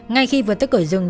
ngay khi vừa tới cửa rừng